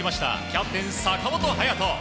キャプテン、坂本勇人。